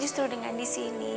justru dengan disini